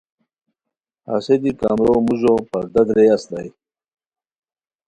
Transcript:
ہسے دی کمرو موژو پردہ درے اسیتائے